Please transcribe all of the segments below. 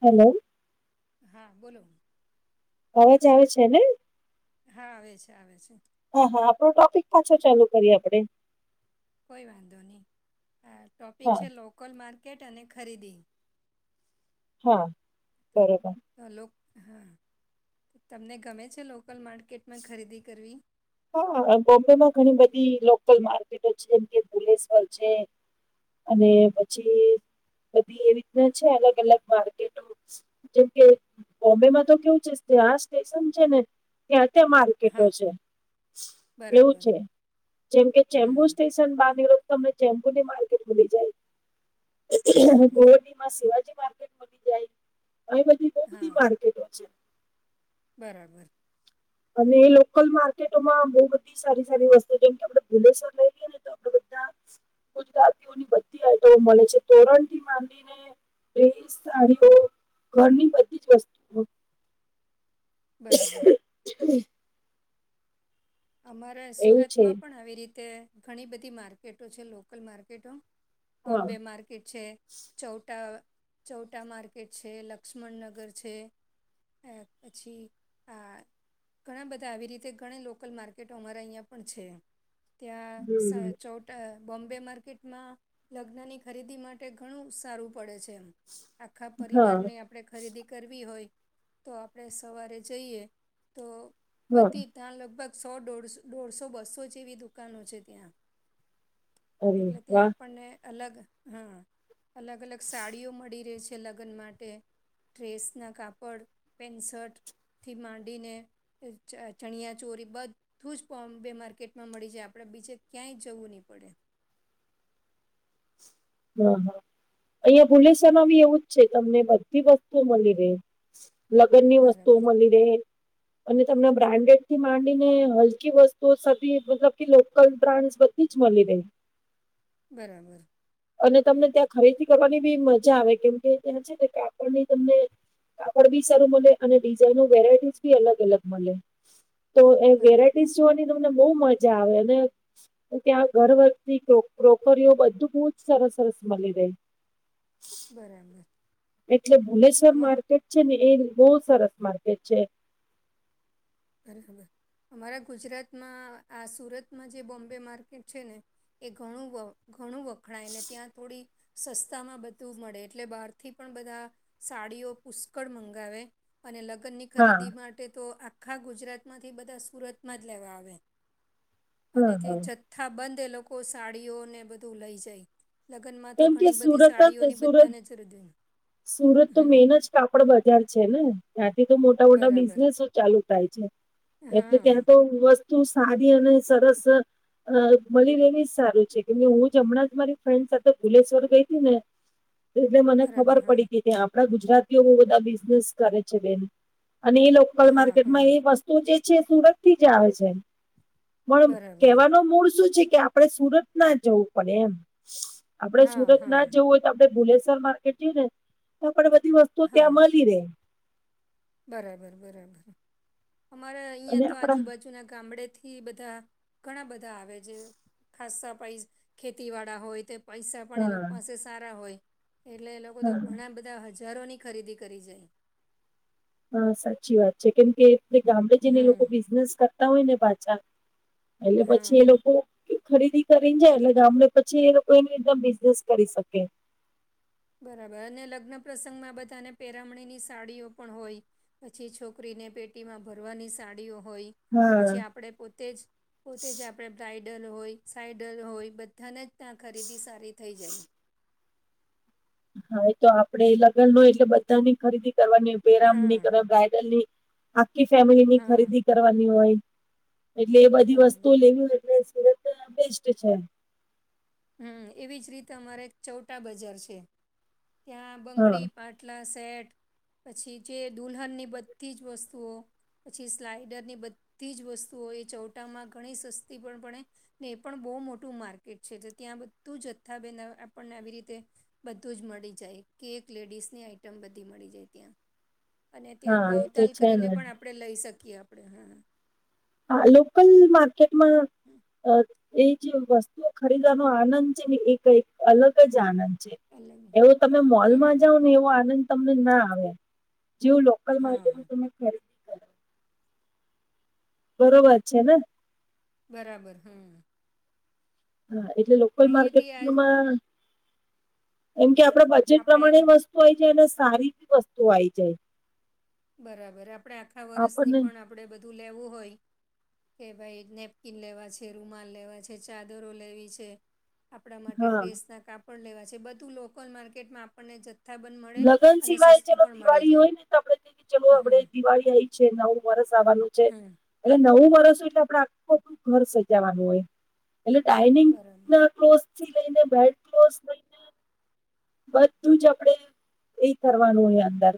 Hello હા બોલો. અવાજ આવે છે ને.? હા આવે છે, આવે છે. હા હા આપણો ટોપિક પાછો ચાલુ કરીએ આપડે. કોઈ વાંધો નહીં. અ ટોપિક હા છે લોકલ માર્કેટ અને ખરીદી. હા બરોબર. તો લોક હા તો તમને ગમે છે લોકલ માર્કેટમાં ખરીદી કરવી? હા બોમ્બેમાં ઘણી બધી લોકલ માર્કેટો જેમ કે ભુલેશ્વર છે. અને પછી બધી એ રીતના છે અલગ અલગ માર્કેટો. જેમ કે બોમ્બેમાં તો કેવું છે જ્યાં સ્ટેશન છે ને ત્યાં ત્યાં માર્કેટો હા છે. એવું બરાબર છે. જેમ કે ચેમ્બુર હમ સ્ટે સ્ટેશનમાં આવી હોય તો તમે ચેમ્બુરની માર્કેટ ભૂલી જાય. [unintelligible] બરાબર શીવાજી માર્કેટ મલી જાય. અહીં બધી બહુ બધી હા. માર્કેટો છે. બરાબર. અને એ લોકલ માર્કેટોમાં બહુ બધી સારી સારી વસ્તુઓ જેમ કે આપડે ભૂલેશ્વર લઈએ ને તો આપડે બધા ગુજરાતીઓની બધી આઈટમ મળે છે. તોરણથી માંડીને ડ્રેસ, સાડીઓ ઘરની બધી જ વસ્ત બરાબર. અમારા એવું છે સુરતમાં પણ આવી રીતે ઘણી બધી માર્કેટો છે લોકલ માર્કેટો. હા બોમ્બે માર્કેટ છે. ચૌટા, ચૌટા માર્કેટ છે, લક્ષ્મણનગર છે. પછી આ ઘણા બધા આવી રીતે ઘણી લોક લોકલ માર્કેટો અમારા અહીંયા પણ છે. ત્યાં હમ સચોટ અ બોમ્બે માર્કેટમાં લગ્નની ખરીદી માટે ઘણું સારું પડે છે એમ. આખા હા પરિવારને આપ આપણે ખરીદી કરવી હોય તો આપણે સવારે જઈએ તો હા બધી જ ત્યાં લગભગ સો દોઢસો, દોઢસો, બસો જેવી દુકાનો છે ત્યાં. અરે એટલે વાહ ત્યાં આપણને અલગ હા. અલગ અલગ સાડીઓ મળી રહે છ છે લગ્ન માટે ડ્રેસના કાપડ પેન્ટ શર્ટ થી માંડીને ચણિયા ચોરી બધું જ બોમ્બે માર્કેટમાં મળી જાય આપડે બીજે ક્યાંય જવું નહી પડે. હા હા અહિયાં ભુલેસરમાં બી એવું જ છે તમને બધી વસ્તુઓ મળી રહે. લગ્ન ની વસ્તુઓ બરાબર મળી રહે. અને તમને બ્રાન્ડેડથી માંડીને હલકી વસ્તુઓ સભી મતલબ કે લોકલ બ્રાન્ડસ બધ ધું જ મલી રે. બરાબર. અને તમને ત્યાં ખરીદી કરવાની બી મજા આવે. કેમ કે ત્યાં છે ને કાપડની તમને કાપડ બી સારું મલે, અને ડિઝાઇનો વેરાઈટીસ બી અલગ અલગ મલે. તો એ બરાબર વેરાઈટીસ જોવાની તમને બહુ મજા આવે. અને ત્યાં ઘર વખરી ક્રોકરીઓ બધું બ સરસ સરસ મલી રહે બરાબર. એટલે ભુલેશ્વર માર્કેટ છે ને એ બહુ સરસ માર્કેટ છે. અરે ખબર અમારા ગુજરાતમાં આ સુરતમાં જે બોમ્બે માર્કેટ છે ને એ ઘણું ઘણું વખણાય ને ત્યાં થોડી સસ્તામાં બધું મળે એટલે બહારથી પણ બધા સાડીઓ પુષ્કળ મંગાવે અને લગ્ન ની હા ખરીદી માટે તો આ આખા ગુજરાતમાંથી બધા સુરતમાં જ લેવા આવે હા અને તે જ હા જથ્થાબંધ એ લોકો સાડીઓને બધું લઈ જાય. લગ્નમાં તો કેમ કે ઘણી બધી સુરત જ સાડીઓની સુરત બધાને જ રજૂ સુરત તો મેન જ કાપડ બજાર છે ને ત્યાંથી તો મોટા મોટા બરાબર બિઝનેસ ચાલુ થાય છે એટલે ત્યાં હા તો વસ્તુ સારી અને સરસ અ મળી લેવી જ સારું છે કેમ કે હું જ હમણાં જ મારી ફ્રેન્ડ સાથે ભુલેશ્વર ગઈ હતી ને એટલે મને બરાબર ખબર હા આપડા ગુજરાતીઓ બધા બિઝનેસ કરે છે બેન અને એ લોકલ હા હા માર્કેટમાં એ વસ્તુ જે છે સુરત થી જ આવે છે પણ બરાબર કેવાનો મૂળ શું છે કે આપડે સુરત ના જ જવું પડે એમ આપડે હા સુરત ના હા જવું હોય આપણે ભુલેશર માર્કેટ જઈ ને તો પણ બધી વસ્તુ ત્યાં હા મળી રહેે. બરાબર બરાબર અમારે અહીંયા અને તો આપણા આજુબાજુના ગામડેથી ઈ બધા ઘણા બધા આવે જે ખાસા પાઈ ખેતીવાળા હોય તે પૈસા પણ એ હા લોકો પાસે સારા હોય એટલે એ લોકો તો હા ઘણા બધા બધા હજારો ની ખરીદી કરી જાય. હા સાચી વાત છે કેમ કે એ ગામડે જઈને હમ લોકો બિઝનેસ કરતા હોય ને પાછા એટલે પછી એ હા લોકો ખરીદી કરીને જાય એટલે ગામડે પછી એ લોકો એની રીતે બિઝનેસ કરી શકે. બરાબર અને લગ્ન પ્રસંગમાં બધાને પેરામણીની સાડીઓ પણ હોય પછી છોકરીને પેટીમાં ભરવાની સાડીઓ હોય હા પછી આપણે પોતે જ પોતે જ આપણે બ્રાઇડલ હોય સાઈડલ હોય બધાને જ ત્યાં ખરીદી સારી થઈ જાય. હા એ તો આપડે એ લગ્ન હોય એટલે બધાની ખરીદી કરવાની હા પેરામની કર બ્રાઇડલ ની આખી ફેમિલી ની હા ખરીદી કરવાની હોય. એટલે એ બધી વસ્તુ બરાબર લેવી હોય તો એટલે સુરત તો બેસ્ટ છે. હમ, એવી જ રીતે અમારે એક ચૌટા બજાર છે, ત્યાં હા બંગડી પાટ- ટલા સેટ પછી જે દુલ્હનની બધી જ વસ્તુઓ પછી સ્લાઇડરની બધી જ વસ્તુઓ એ ચૌટામાં ઘણી સસ્તી પણ પડે ને એ પણ બઉ મોટું માર્કેટ છે જે ત્યાં બધું જથ્થા બેન અ આપણને આવી રીતે બધું જ મળી જાય કેક લેડીસની આઈટમ બધી મળી જાય ત્યાં. અને ત્યાં હા એ તો ભાવતાલ છે કરીને ને પણ આપડે લઈ શકીએ આપડે, હા. આ લોકલ માર્કેટમાં અ એ જે વસ્તુઓ ખરીદવાનો આનંદ છે ને એ કઈક અલગ જ આનંદ છે. અલગ એવો તમે મોલમાં બરાબર જાઓ ને એવો આનંદ તમને ના આવે જેવો લો કલ હા માર્કેટ માં હા તમે ખરી બરોબર છે ને. બરાબર, હમ. હા એટલે લોકલ અહીંયાથી આ માર્કેટમાં એમ કે આપડા બજેટ આપણે પ્રમાણે વસ્ તું આઇ જાય એટલે સારી જ વસ્તુ આઇ જાય. બરાબર, આપડે આખા વરસની આપણને પણ આપડે બધું લેવું હોય કે ભાઈ નેપકીન લેવા છે, રૂમાલ લેવા છે ચાદરો લેવી છે. આપડા માટે હા ડ્રેસના કાપડ લેવા છે બધું લોકલ માર્કેટમાં આપણને જ જથાબંધ મળે લગ્ન અને સિવાય સસ્તું ચલો પણ મળી દિવાળી જાય. હોય ને તો આપડે કઈ ચલો આપડે હમ દિવાળી આઈ છે નવું વર્ષ આવાનું છે. હમ એટલે નવું વર્ષ હોય એટલે આપડે આખો ઘર સજાવાનું હોય. એટલે ડાઈનિંગ બરાબર ના ક્લોઝ થી લઈને બેડ ક્લોઝ લઈ બધું જ આપડે એ કરવાનું હોય અંદર.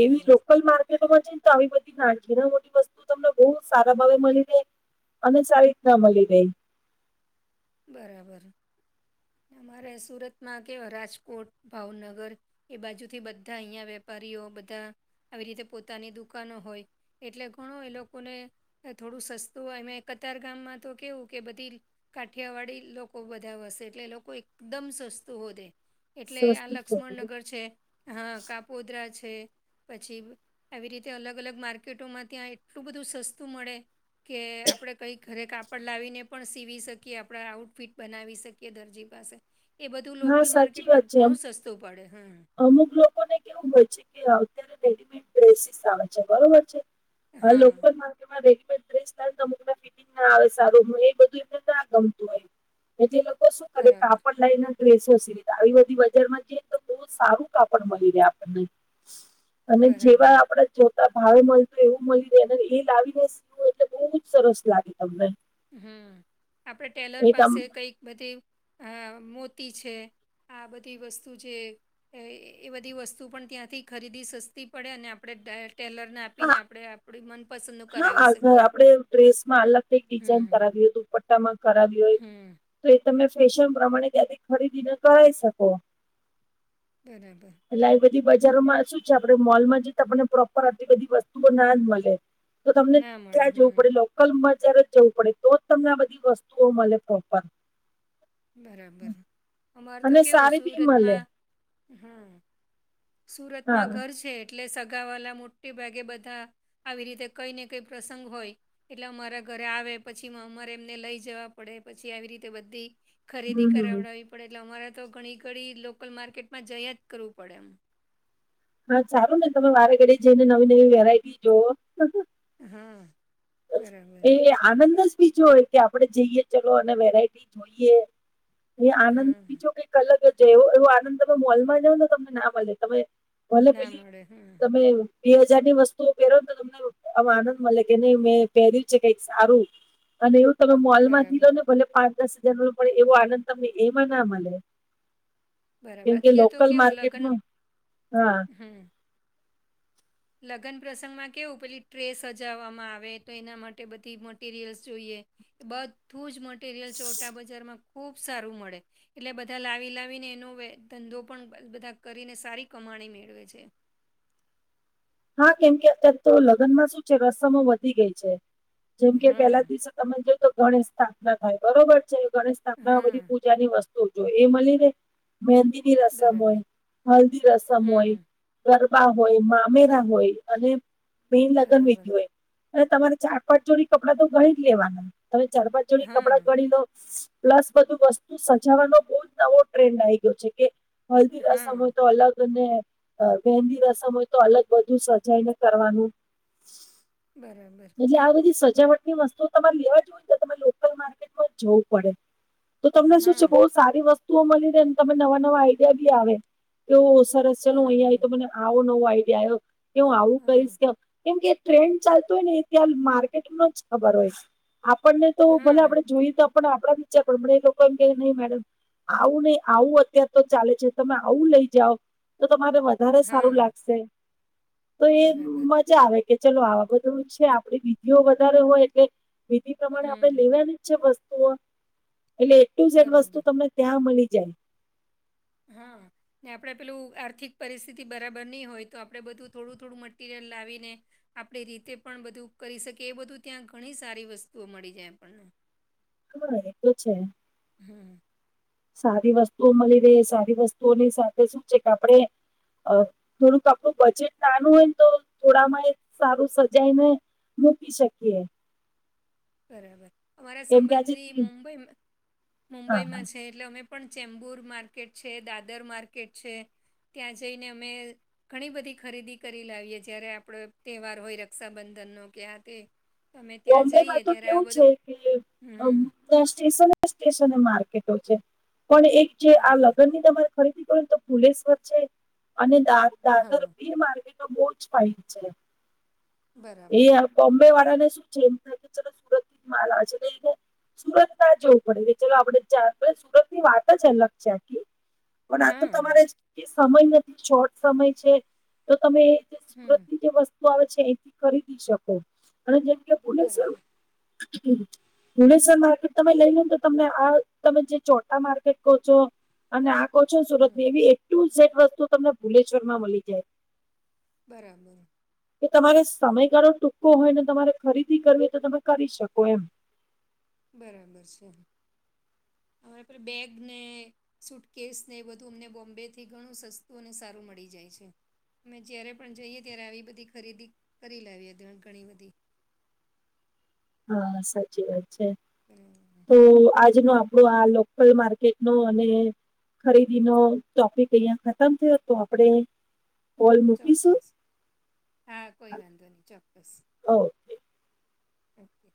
એવી લોકલ માર્કેટોમાં જઈન તો આવી બધી નાન ઘી ને મોટી વસ્તુ તમને બઉ સારા ભાવે મળી જાય. અને સારી રીતના મળી રેય. બરાબર, અમારે સુરતમાં કેવા રાજકોટ, ભાવનગર એ બાજુથી બધા અહિયાં વેપારીઓ બધા આવી રીતે પોતાની દુકાનો હોય. એટલે ઘણો એ લોકોને તે થોડું સસ્તું હોય એમાએ કતાર ગામમાં તો કેવું કે બધી કાઠિયાવાડી લોકો બધા વસે એટલે એ લોકો એકદમ સસ્તું હોધે. એટલે આ સસ્તી શોધે લક્ષ્મણનગર છે, હા કાપોદરા છે. પછી આવી રીતે અલગ અલગ માર્કેટોમાં ત્યાં એટલું બધું સસ્તું મળે કે આપડે કંઈ ઘરે કાપડ લાવીને પણ સીવી શક કે આપડા આઉટફિટ બનાવી શકીએ દરજી પાસે એ બધું હા લોકલ સાચી વાત માર્કેટમાં છે અમ ઘણું સસ તું પડે, હમ. અમુક લોકોને કેવું હોય છે કે અત્યારે રેડીમેડ ડ્રેસીસ આવે છે, બરોબર છે. હલો હા લોકલ માર્કેટ. એમાં રેડીમેડ ડ્રેસ લાય અમુક ફિટિંગ ના આવે સારું એ બધું એમને ના ગમતું હોય. મે જે લોકો શું કરે બરાબર કાપડ લઈ ને ડ્રેસો સીવે આવી બધી બજારમાં જ‌ઇ તો. બહુ સારું કાપડ મળી રહે આપણને અને જેવા બરાબર આપણે જો. ભાવે મળતું એવું મળીને એ લાવીને સીવું એટલે બહુ જ સરસ લાગે તમને. હમ, આપડે ટેલર એ તમ પાસે કઈક બધી અ મોતી છે. આ બધી વસ્તુ જે એ ઈ બધી વસ્તુ પણ ત્યાંથી ખરીદી સસ્તી પડે અને આપડે ધે ટેલરને આપીને હા આપડે આપડી મનપસંદનું કરાવી શકીએ આપડે. ડ્રેસ માં અલગ કઈ થે ડિઝાઇન કરાવીએ દુપટ્ટામાં કરાવીએ હમ. તો એ તમે ફેશન પ્રમાણે ત્યાંથી ખરીદીને કરાઈ શકો. બરાબર. એટલે આવી બધી બજારોમાં શું છે આપડે મોલમાં જઈ તો આપણને પ્રોપર આટલી બધી વસ્તુઓ ના જ મળે. તો તમને ના મળે ત્યાં જવું હમ પડે લોકલ બજાર જ જવું પડે તો જ તમને આ બધી વસ્તુઓ મળે પ્રોપર. બરાબર, અમારે તે અને કેવું સારી બી મળે સુરતમાં, હમ. હા સુરતમાં ઘર છે એટલે સગાવાલા મોટે ભાગે બધા આવી રીતે કઈ ને કઈ પ્રસંગ હોય. એટલે અમારા ઘરે આવે પછી અમારે એમને લઈ જવા પડે પછી આવી રીતે બધી. હમ ખરીદી હમ કરાવડાવવી પડે એટલે અમારે તો ઘણી ઘડી લોકલ માર્કેટમાં જયા જ કરવું પડે એમ. હા સારું ને તમે વારે ઘડી જઈને નવી નવી વેરાઈટી જોઓ. હા. બરાબર એ આનંદ જ બીજો હોય. કે આપડે જઈએ ચલો અને વેરાયટી જોઈએ એ હા આનંદ હા. બીજો. અલગ જવો એવો આનંદ તમે મોલમાં જાવઓ ને તમને ના મળે તમે. ભલે ના પેલી મળે હા હા. તમે બે હજાર ની વસ્તુઓ પહેરો ને તો તમને આ આનંદ મળે કે નઈ. મે પહેર્યું છે કઈક સારું અને એવું તમે મોલ માંથી લો બરાબર ને તો. ભલે પાંચ દસ હજાર નુ પડે એવો આનંદ તમને એમાં ના મળે. બરાબર કેમ કે અત્યારે તો લોકલ કેવું લગ્ન માર્કેટમાં હા. હમ લગ્ન પ્રસંગમાં કેવું પેલી ટ્રેસ સજાવવામાં આવે તો એના માટે બધી મટીરિયલ્સ જોઈએ. એ બધું જ મટીરિયલ ચોટા બજારમાં ખુબ સારું મળે. એટલે બધા લાવી લાવીને એનો ધંધો પણ બધા કરીને સારી કમાણી મેળવે છે. હા કેમ કે અત્યારે તો લગ્નમાં શું છે રસમો વધી ગઈ છે જેમ કે પેલા હા દિવસે તમે જોજો ગણેશ સ્થાપના થાય બરોબર છે ગણેશ સ્થાપના બધી પો હા બીજાની વસ્તુ જો એ મળીનેે મેદી ની રસમ બરાબર હોય હલ્દી રસમ હોય હમ ગરબા હોય મા અમેરા હોય અને બે લગ્ન બરાબર વિધી હોય. હ તમારે ચાર પાંચ જોડી કપડાં તો ગણી જ લેવાના તમે ચાર પાંચ જોડી કપડાં હા ગણી લો. પ્લસ બધું વસ્તુ સજાવાનો બહુ જ નવો ટ્રેન્ડ આવી ગયો છે કે હળદી રસમ હા હોય તો અલગ અને મહેંદી રસમ હોય તો અલગ બધું સજાઈ ને કરવાનું. બરાબર એટલે આ બધી સજાવટ ની વસ્તુઓ તમારે લેવા જઉ હોય તો તમારે લોકલ માર્કેટમાં જવું પડે. તો તમને શું છે બહુ હા સારી વસ્તુઓ મળી રહેે ને તમે નવા નવા આઈડિયા બી આવે એવુ સરસ ચલો હું અહીંયા બરાબર આઈ તો મને આવો નવો આઈડિયા આવ્યો કે હું આવું કહીશ હા કે કેમ કે ટ્રેન્ડ ચાલતો હોય ને એ ત્યા માર્કેટ નું જ ખબર હોય આપણને તો ભલે હા આપડે જોયું તો આપણે પણ આપણા બિચારા પણ પણ એ લોકો એમ કે નહી મેડમ આવું નહી આવું અત્યારે તો ચાલે છે તમે આવું લઈ જાઓ તો તમારે વ વધારે સારું હા લાગશે. તો એ બરાબર મજા આવે કે ચલો આવા બધું છે આપણી વિધિઓ વધારે હોય એટલે વિધિ પ્રમાણે આપણે હમ લેવાની જ છે વસ્તુઓ એટલે એ ટુ ઝેડ બરાબર વસ્તુ તમને ત્યાં મળી જાય હા [inaudible] ને આપડે પેલું આર્થિક પરિસ્થિતિ બરાબર નહી હોય તો આપડે બધું થોડું થોડું મટીરિયલ લાવી ને આપણી રીતે પણ બધું કરી શકી એ બધું ત્યાં ઘણી સારી વસ્તુઓ મળી જાય આપણને હ એ તો છે. હમ સારી વસ્તુઓ મળી રહે સારી વસ્તુઓની સાથે શું છે કે આપડે અ થોડુંક આપણું બજેટ નાનું હોય ને તો થોડામાં એ સારું સજાય ને મૂકી શકીએ. બરાબર અમારા કેમ કે આજે સંબંધી મુંબઈ હા હા મુંબઈમાં છે. એટલે અમે પણ ચેમ્બુર માર્કેટ છે દાદર માર્કેટ છે ત્યાં જઈને અમે ઘણી બધી ખરીદી કરી લાવીએ જય્યારે આપડો તહેવાર હોય રક્ષાબંધનનો કે આ તે તમે ત્યાં બોમ્બેમાં જઈએ તો ત્યારે આ કેવું બધું છે કે હમ હમ્મ. સ્ટેશને સ્ટેશને માર્કેટો છે પણ એક જે આ બરાબર લગ્ન ની તમારે ખરીદી કર તો ભુલેશ્વર છે અને દાદર દાદર હા બે માર્કેટ એ બરાબર બમ્બેવાળાને શું છે [unintelligible] માલાજ રહી છે [unintelligible] સુરત ના જવું પડે કે ચાલ આપણેે જ જાતે સુરતની વાત જ અલગ છે પણ આ તો હા તમારે સમય નથી શોર્ટ સમય છે તો તમે હમ સુરતની જે વસ્તુ આવે છે એથી ખરીદી શકો અને જેમ કે ભૂલે સર બરાબર હમ ભુણસ્વર માર્કેટ તમે લઈ લનેને તો તમને આ તમે જે ચોટા માર્કેટ કહો છો અને આંકો છો સુરત હમ ની એવી એટલું સેટ વસ્તુ તમને ભુલેશ્વરમાં મળી જાય બરાબર કે તમારે સમયગાળો ટૂંકો હોય ને તમારે ખરીદી કરવી તો તમે કરી શકો એમ બરાબર છે હવે આપે બેગ ને સૂટકેસને એ બધું અમને બોમ્બેથી ઘણું સસ્તું અને સારું મળી જાય છે અમે જ્યારે પણ જઈએ ત્યારે આવી બધી ખરીદી કરી લાવવીએ ઘણી બધી હા સાચી વાત છે બરાબર. તો આજનો. આપળુ આ લોકલ માર્કેટનો અને. ખરીદીનો ટોપિક અહીયા ખતમ થયો તો આપણે કોલ મૂકીશું ચોક્કસ હા કોઈ વાંધો નહી ચોક્કસ. હો. ઓકે.